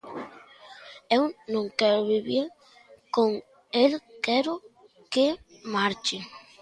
Eu non quero vivir con el, quero que marche.